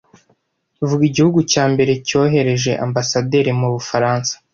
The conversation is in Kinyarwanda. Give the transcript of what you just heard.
vuga igihugu cya mbere cyohereje ambasaderi mu Bufaransa